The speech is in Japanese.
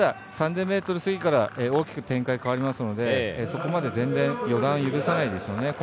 ３０００ｍ過ぎから大きく展開変わりますのでそこまで全然、予断を許さないですよね。